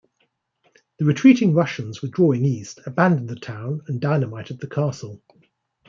The retreating Russians, withdrawing east, abandoned the town and dynamited the castle.